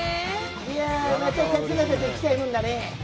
「いやまた勝俣と行きたいもんだね」